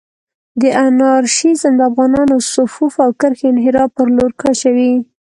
دا انارشېزم د افغانانانو صفوف او کرښې انحراف پر لور کشوي.